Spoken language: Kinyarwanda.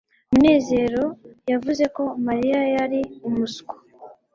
munezero yavuze ko mariya yari umuswa